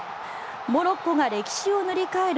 モロッコが歴史を塗り替える